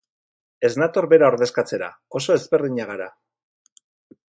Ez nator bera ordezkatzera, oso ezberdinak gara.